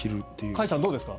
甲斐さんどうですか？